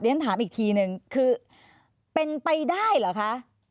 ฉันถามอีกทีนึงคือเป็นไปได้เหรอคะ